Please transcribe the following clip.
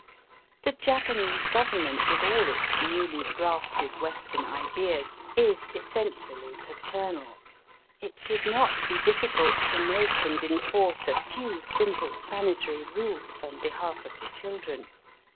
The Japanese Government, with all its newly grafted Western ideas, is essentially paternal. It should not be difficult to make and enforce a few simple sanitary rules on behalf of the children.